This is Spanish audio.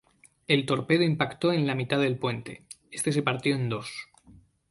El torpedo impactó en la mitad del puente, este se partió en dos.